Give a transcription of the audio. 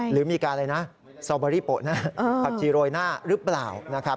หรือมีการอะไรนะสตอเบอรี่โปะหน้าผักชีโรยหน้าหรือเปล่า